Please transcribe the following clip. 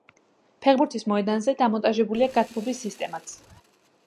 ფეხბურთის მოედანზე დამონტაჟებულია გათბობის სისტემაც.